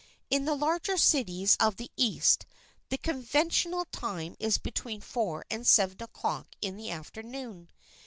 In the larger cities of the East the conventional time is between four and seven o'clock in the afternoon.